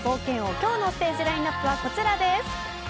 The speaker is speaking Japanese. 今日のステージラインアップはこちらです。